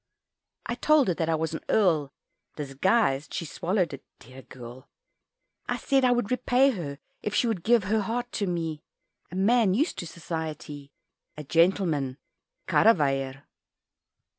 I told her that I was an Earl Disguised she swallowed it, dear girl I said I would repay her, If she would give her heart to me, A man used to society, A gentleman "Karreweijer."